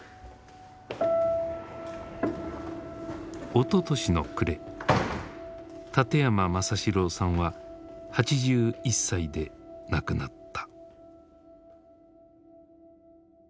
おととしの暮れ館山政四郎さんは８１歳で亡くなった。